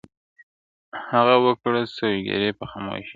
هغه وكړې سوگېرې پــه خـاموشـۍ كي,